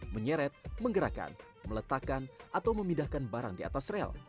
menyeret menggerakkan meletakkan atau memindahkan barang di atas rel